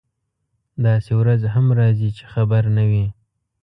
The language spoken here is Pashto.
داسې ورځ هم راځي چې خبر نه وي.